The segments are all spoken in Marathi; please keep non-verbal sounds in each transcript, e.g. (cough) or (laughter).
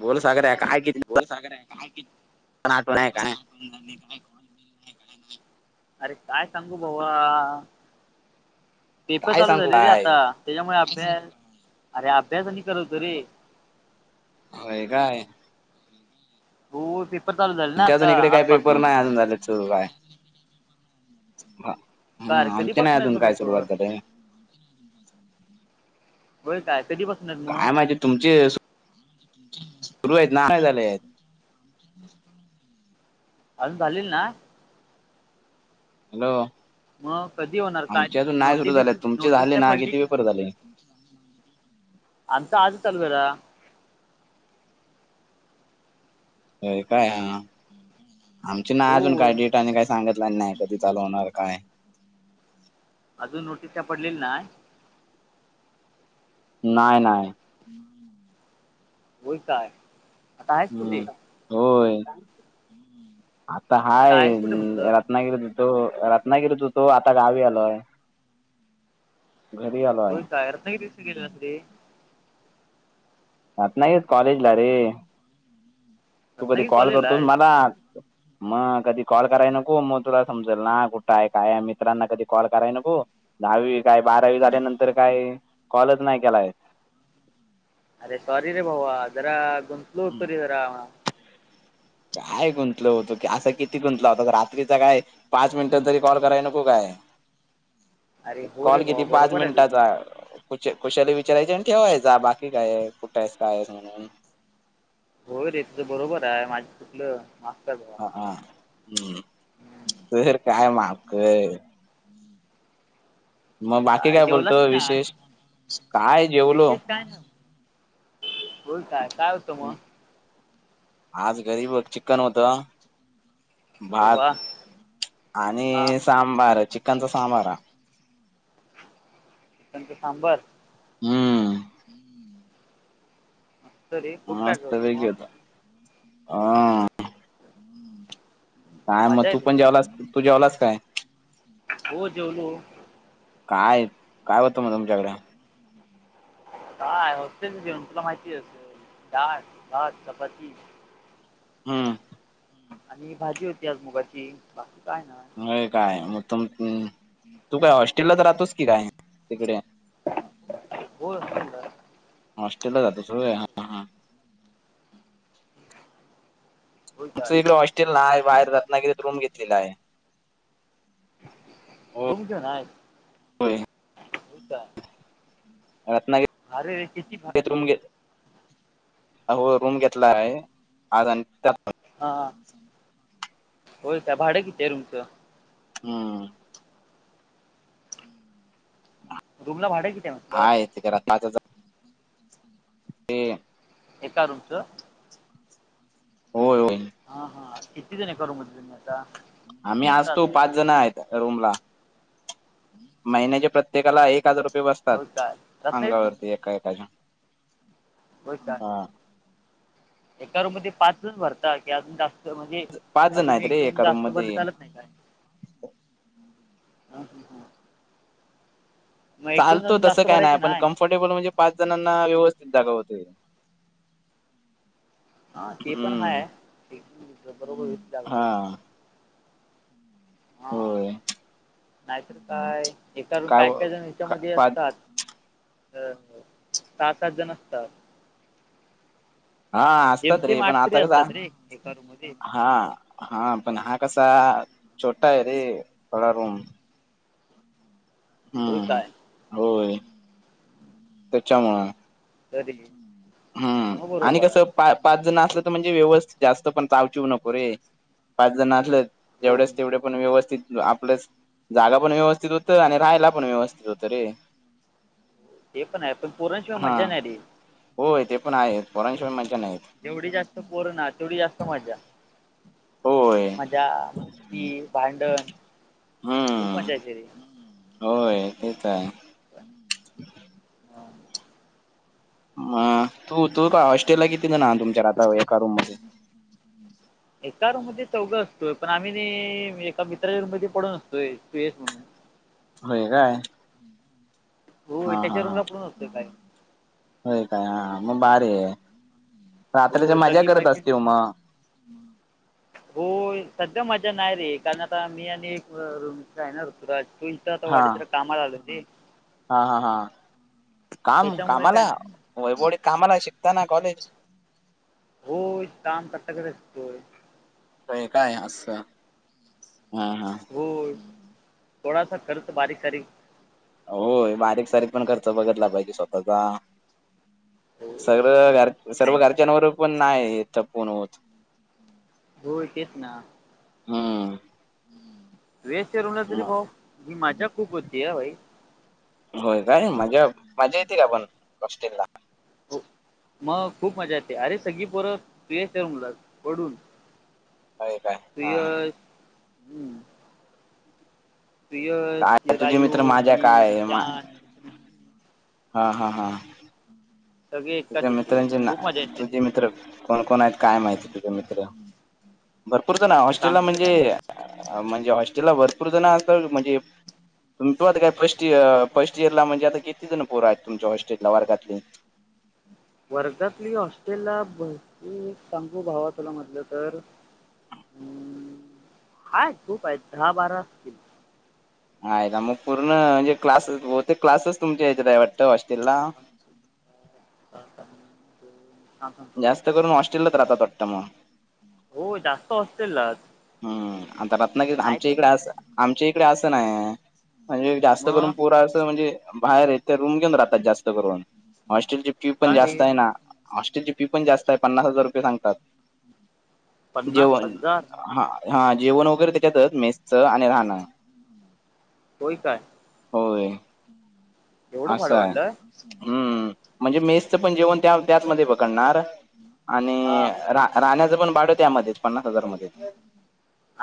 बोल सागर काय किती? सगर आहे. पण आठवण आहे का नाही. काय? अरे काय सांगू भाऊ पेपर काय चालू झा सांगू रे रे काय आता त्याच्यामुळे अभ्यास अरे अभ्यास आणि करवतो रे हो काय हो पेपर चालू झाले ना आता आजपासू चय ह हा कार आमते ना कधीपासून आहेत अजून मग काय पेपर सुरुवात झाय होय काय काय माहिती तुमचे हम्छ सुरू आहेत ना झाले आहेत आम्ही झालेल ना हॅलो मग कधी होणार काय आमचे अजून नाही नोटी सुरू बस झाले तुमचे नोटीस झाले त्या ना पडली किती की पेपर झाले नाही अता आजतल बरा हो काय ह आमचे ना अजून काय होय डेट नी काही सांगितलं नाही कधी चालू होणार काय अजून नोटीस त्या पडलेली ना नाही नाही हम् वय काय आता आहेस हम्म कुठे होय आता हाय आहेस कुठे म्हटलं रत्नागिरीत तो रत्नागिरीतू तो आता गावी आलोय घरी आलोय होोल कायर नाही का दिवस गेले नाे अत् नाहीगेत कॉलेजला र हम् तू कधी कॉल करतोस मला मग कधी कॉल कराय नको मग तुला समजल ना कुठं आहे काय मित्रांना कधी कॉल कराय न ब दहावी काय बारावी अरे झाल्यानंतर काय कॉलच नाही केलाय अरे सॉारी रे भाऊ अ जरा गुंतलू हम्म. उटतो र जरा काय गुंतल होतो की असा किती गुंतला होता रात्रीचा काय पाच मिनिटात तरी कॉल कराय नको काय अरे हो रे कॉल भावा कती पाच बरोबर आहे मिनिटाचा तुझं अ-अ कुच कुशाली विचारायची आणि ठेवायचा बाकी काय आहे कुठं आहेस कायस म्हणून. होय रे तुझं बरोबर आहे माझ कुठलं माफक हा हा हम् तर काय माक मग बाकी काय बोलतो जेवलाची ना विशेष काय जेवलो विशेष काय बोल काय काय होतं मग आज गरीब चिक्कन होतं अरे वा भात हा आणि सांबार चिकनचा सांबारा चिकनचे सांबर हम्म हम्म हात क होता हा काय मग मजा तू आहे पण तुझी जेवलास तू जेवलास काय हो जेवलो काय काय होतं म तुमच्याकडं इनौडिबल काय होस्टेलच जेवण तुला माहिती डाळ भात चपाती हम् आणि भाजी होती आज मुगाची. बाकी काय ना म्ह काय मग तु-म तू काय हॉस्टेललाच राहतोस की काय तिकडे. इनौडिबल हॉस्टेलला जातोस होय-हा होय आमचं काय इकडे हॉस्टेल नाय आहे बाहेर रत्नागिरीत रूम घेतलेल आहे. होय इनौडिबल रत्नागि री आरे कती ते इनौडीबल रूम घे अहो रूम घेतला आहे आज आणि हा होय का भाडं किती आहे रुमचं. हम् रूम ला भाड किती हाय म्हटलं ते इनऑडडीबल एका रूमचं होय-होय हा हा किती जण एका रूम मध्ये तुम्ही आता. आम्ही असतो एकटाच आहे पाच जण आहेत रूम ला. महिन्याचे प्रत्येकाला एक हजार रुपये बसतात होय काय रत्नागिरीत पण अंगावरती एका एकाच्या. होय का हा एका रूम पाचच भरता की अजून जास्त पाच इनौडिबल जण अजून आहेत एक रे दोन एका रूम जास्त भरले मध्ये चालत नाही काय. इनऑडिबल एक दोन चालतो जण तसं जास्त काय नाय भरायचे पण कम्फर्टेबल म्हणजे पाच जणांना व्यवस्थित जागा होते. हा ते पण हाय हम्म बरोबर हा इनऑडिबल हा होय नाहीतर काय हे काय इनऑडिबल जण याच्यामध्ये पाच असतात अ सहा सात जण असतात. हा असतात रे जेमतेम पण आठ तरी आता कसा असतात रे एका रूम मध्ये इनऑडिबल हा हा पण हा कसा छोटा आहे रे थोडा रूम. होय हम्म काय होय त्याच्यामुळ इनऑडिबल हम्म आणि कसं पा पाच जण असलं तर म्हणजे व्यवस्थित जास्त पण चावची नको रे पाच जण असलं हो जेवढेच तेवढे पण व्यवस्थित आपलंच जागा पण व्यवस्थित आणि राहायला पण व्यवस्थित होत रे ते पण आहे पण पोरांशिवाय हा मज्जा नाही रे होय ते पण आहे जेव पोरांशिवाय मज्जा नाही जेवढी जास्त पोरं तेवढी जास्त मज्जा. होय मज्जा मस्ती भांडण इनौडिबल खूप हम्म मजा ययेत रे होय तेच आहे इनऑडिबल म तू-तू का हॉस्टेलला किती जना तुमच्या राहता एका रूम मध्ये. इनऑडिबल एका रूम मध्ये चौघं असतोय पण आम्ही नि एका मित्राच्या रूम मध्ये पडून असतोय सुयश म्हणून. होय काय होय हा त्याच्या रूमला पुढून असतोय काय. हो काय हा मग भारी आहे रात्राची मजा करत असतीव मग. इनऑडिबल होय सद्या मजा नाही रे कारण आता मी आणि एक अ-रु-मित्र आहे न ऋतुराज ता-आता हा वाडीत जरा कामाला आलोय रे हा हा हा काम त्याच्यामुळे काय कामाला नाही इनऑडिबल कामाला शिकताना कॉलेज. होय काम कताकडे असतोय होय काय असं हा हा. हो थोडासा खर्च बारीक सारीक होय बारीक सारीक पण खर्च बघितला पाहिजे स्वतःचा सर्व. आहे सर्व घरच्यांवर पण नाहीथपून होत होय तेच ना. हम्म. (unintelligible) मज्जा खूप होती हा भाई. होय काय मज्जा मज्जा येते का पण हॉस्टेलला. हो मग खूप मजा येते अरे सगळी पोरं (unintelligible) रूमला पडून. होय काय ते हा अ हम्म. (unintelligible) काय तुझे इरायू मित्र माझ्या घी काय मा विद्यान. हा हा हा. सगळे तुझ्या एकटाच येते मित्रांचे ना खूप मजा येते तुझे रे मित्र कोण कोण आहेत काय माहिती तुझे मित्र. भरपूर जन आहे हॉस्ट्रेलला सांगतोय म्हणजे का अ म्हणजे हॉस्टेलला भरपूर जण असतात म्हणजे पण तुयात काय प्रश्न ते अ फर्स्ट इयर ला म्हणजे आता कितीजण पोरं आहेत तुमच्या हॉस्टेटला वर्गातली. वर्गातली हॉस्टेल ला भरती सांगू भावा तुला म्हणाले तर हम्म आहेत खूप आहेत दहा बारा असतील मायला मग पूर्ण म्हणजे क्लासच बहुतेक क्लासच तुमच्या इकडे आहे वाटत हॉस्टेलला. हा का जास्त करून होस्टेलला राहतात वाटंत मग. हो जास्त होस्टेललाच. हम्म आता रत्नागिरी आमच्या इकडे अस आमच्या इकडे असं नाही. म्हणजे जास्त करून मग पोरं असं म्हणजे बाहेर येथे रूम घेऊन राहतात जास्त करून. हॉस्टेलची फी पण का रे जास्त आहे ना हॉस्टेलची फी पण जास्त आहे पन्नास हजार रुपये सांगतात. पन्नास जेवण हजार. हा हा जेवण वगैरे त्याच्यातच मेसचं आणि राहणं. होय काय. होय. एवढं भारी असं आहे. वाटलंय. हम्म म्हणजे मेसचं पण जेवण त्या त्याचमध्ये पकडणार. आणि हां, रा -राहण्याच पण भाड त्यामध्येच पन्नास हजार मध्येच.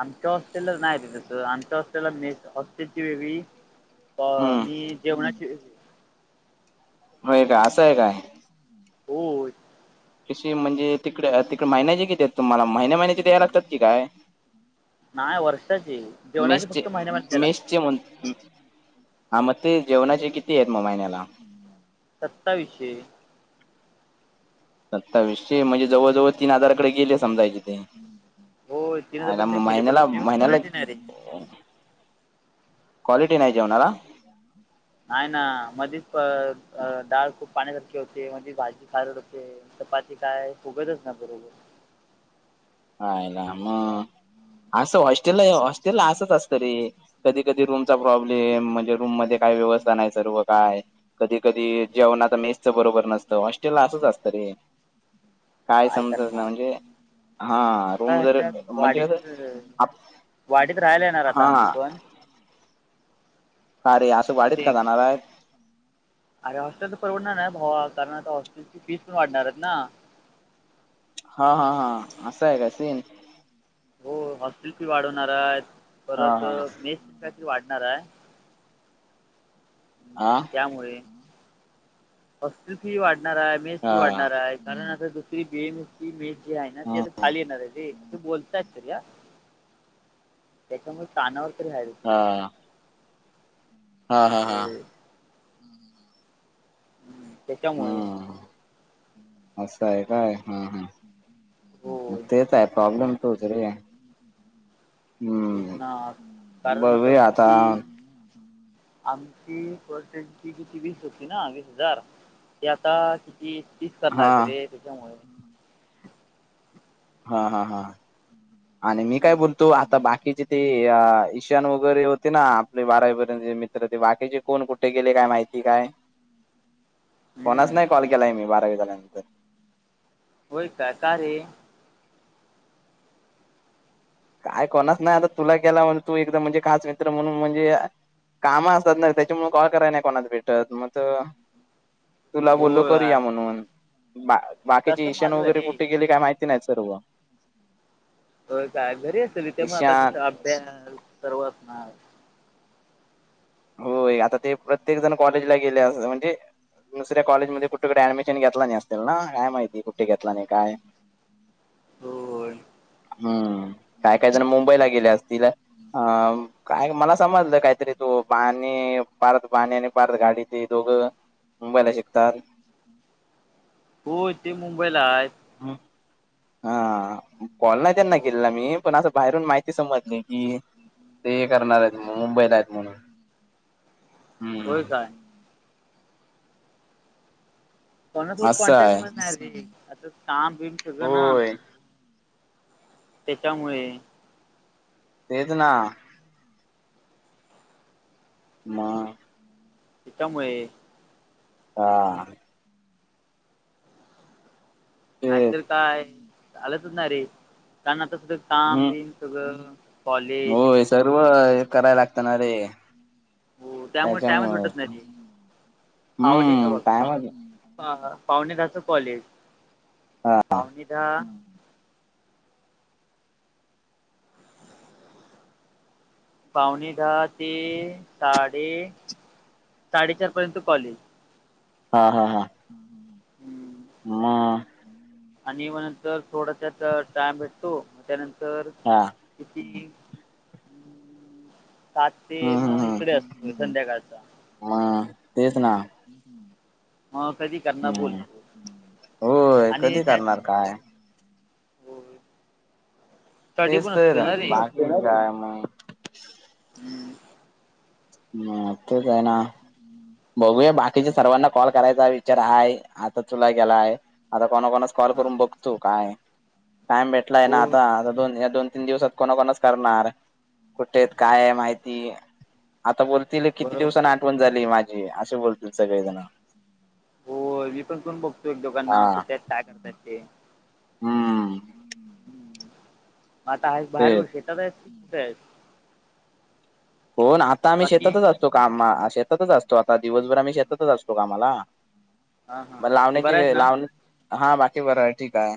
आमच्या हॉस्टेल नाय रे तसं आमच्या हॉस्टेलला मेस हॉस्टेलची वेगळी अ हम्म मी जेवणाची वेगळी. होय का असं आहे काय. होय. कशी म्हणजे तिकडे तिकडे महिन्याचे कितीेत तुम्हाला महिन्या महिन्याचे द्याय लागतात की काय. नाही वर्षाची. जेवणाचे मेसचे फक्त महिन्या महिन्याला द्यायला मेसचे लागतात. म्हण हा म तेच जेवणाचे किती आहेत मग महिन्याला? सत्तावीशे. सत्तावीसशे म्हणजे जवळ जवळ तीन हजारकडे गेले समजायचे. ते होय, आईला म पर्यंत गेले, पण महिन्या जेवण महिन्याला क्वालिटी नाही रे. क्वालिटी नाही जेवणाला. नाही ना मधी अ अ डाळ खूप पाण्यासारखी होते मधी भाजी खारट होते. चपाती काय फुगतच नाय बरोबर. आई ला म असं हॉस्टेलला हॉस्टेलला असंच असत रे. कधी कधी रूमचा प्रॉब्लेम म्हणजे रूम मध्ये काय व्यवस्था नाही सर्व काय कधी कधी जेवणात मेसच बरोबर नसतं हॉस्टेलला असंच असतं रे. काय समजना म्हणजे हा आता रूम जर ह्याच्यात म्हणजे कसं वाढीत- आप- वाढीत राहायला येणार आता हा आम्ही पण. का रे यार. तिथे अरे हॉस्टेल तर परवडणार नाही भावा कारण आता हॉस्टेलची फीस पण वाढणार आहेत ना. हा हा हा असं आहे का सीन. हो हॉस्टेल फी वाढवणार आहेत हा परत हा मेस सुद्धा वाढणार आहे. हम्म, हा. त्यामुळे. हॉस्टेल फी वाढणार आहे मेस फी हा वाढणार आहे कारण आता दुसरी बीएमएसी मे जे आहे ना ते हा आ खाली येणार आहे ते तू बोलताय तरी या. त्याच्यामुळे कानावर तरी हयर होचं. हा हा हा हा. हो हम् त्याच्यामुळे. हम्म असं आहे काय हा हा. हो मग तेच आहे प्रॉब्लेम तोच रे. एक हम्म ना कारण आता किती? आमची पर्सेंटची किती वीस होती ना वीस हजार त आता कि ती तीस हा करणारच रे त्याच्यामुळे. हा हा हा आणि मी काय हम्म. बोलतो आता बाकीची ते ईशान वगैरे होते ना आपले बारावीपर्यंतचे मित्र ते बाकीचे कोण कुठे गेले काय माहिती काय? (unintelligible) कोणाच हम्म. नाही कॉल केलाय मी बारावी झाल्यानंतर होय का का रे? काय कोणाच नाही आता तुला गेला म्ह तू एकदा म्हणजे काच मित्र म्हणून म्हणजे काम असतात ना त्याच्यामु कॉल कराय नाही कोणात भेटत मग तुला हो बोललो यार. करूया म्हणून बा बाकीचे तसं इईशण माझं वगैरे रे कुठे गेले काही माहिती नाही सर्व. हो काय घरी असेल त्यामुळेण आता ईशान कस अभ्यास सर्व असणार. होय आता ते प्रत्येक जण कॉलेजला गेले अस म्हणजे दुसऱ कॉलेजमध्ये कुठडे ऍडमिशन घेतला नाही. नाय काय माहिती कुठे घेतला नाही काय? हो. हम्म. काय काही जण मुंबईला गेले असतील अ काय मला समजलं काहीतरी. तो पाणी पारत पाणी आणि परारत गाडी ते दोघं मुंबईला शिकतात. हो ते मुंबईला आहेत. ह हा कॉल नाही त्यांना हो केेला मी पण असं बाहेरून माहिती समजली. कि ते करणार आहेत मुंबईला आहेत म्हणून. हो हम्म काय? कोणासोबत असं कॉन्टॅक्ट आहे मध्ये नाही र आता काम बिम सगळं ना. होय त्याच्यामुळेच. तेेच ना. (unintelligible) त्याच्यामुळे. हा. तेच नाहीतर काय झालंचच ना रे कारण आता सधं कााम हम्म बम सगळं. कॉलेज होय सर्व हे करायला लागत ना रे. हो त्यामुळे टाइमच त्याच्यामुळे भेटत नाही रे. आवली ह्य हम्म बघ. टायमच आ ह पावणेधाच कॉलेज पावणेधा पावणे दहा ते साडे साडेचार पर्यंत कॉलेज. हा हा हा. हम् हम्म. मा आणि मग नंतर थोडा त्यात टायम भेटतो त्यानंतर हा. (unintelligible) सात ते हम्म म हम्म हम्म इकडे असतो संध्याकाळचा. मग तेच ना म कधी करनार हम्म बोलतो होय आणि कधी त्यात. करणार काय. स्टडी तेच पण तर असतोय रा ना रे बाकी काय मग. म ठीक हाय ना. बघूया बाकीच्या सर्वांना कॉल करायचा विचार हाय आता तुला केलाय आता कोणा कोणाचा. कॉल हा करून बघतो काय टाइम भेटलाय ना हो आता दोन या दोन तीन दिवसात. कोणा कोणाच करणार कुठेत काय माहिती. आता बोलतील किती दिवसांनी बरोबर आठवण झाली माझी असे बोलतील सगळेजण. हो मी पण कोण बघतो एक दोघांना कुठे हायत काय करतात ते. हा. आता आहे बाहेर तेच शेतात आहेस कुठे हाईस. हो न आता आम्ही बाकी शेतातच असतो काम शेतातच असतो आता दिवसभर आम्ही शेतातच असतो कामाला. हा हा मग बाकी लावणेची, बरा आहेस ना लाव हा बाकी बराय, ठीक हाय.